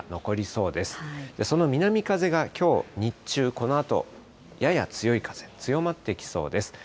その南風がきょう日中、このあとやや強い風、強まってきそうです。